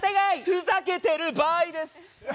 ふざけてる場合です。